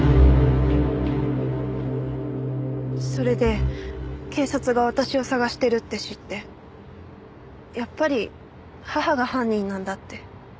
それで警察が私を捜してるって知ってやっぱり母が犯人なんだって。